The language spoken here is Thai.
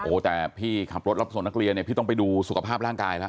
โอ้โหแต่พี่ขับรถรับส่งนักเรียนเนี่ยพี่ต้องไปดูสุขภาพร่างกายแล้ว